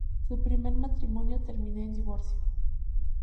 Su primer matrimonio terminó en divorcio.